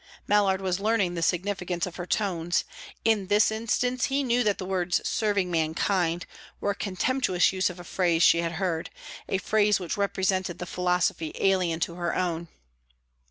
Mallard was learning the significance of her tones. In this instance, he knew that the words "serving mankind" were a contemptuous use of a phrase she had heard, a phrase which represented the philosophy alien to her own.